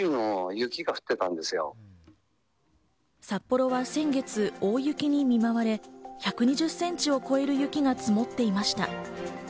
札幌は先月、大雪に見まわれ、１２０センチを超える雪が積もっていました。